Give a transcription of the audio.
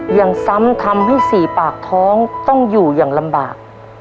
ยังซ้ำทำให้สี่ปากท้องต้องอยู่อย่างลำบาก